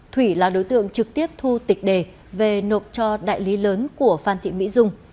thủy là đối tượng trực tiếp thu tịch đề về nộp cho đại lý lớn của phan thị mỹ dung